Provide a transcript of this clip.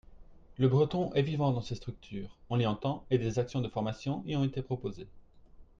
Le breton est vivant dans ces structures, on l'y entend et des actions de formation y ont été proposées.